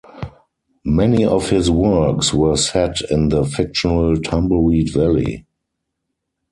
Many of his works were set in the fictional Tumbleweed Valley.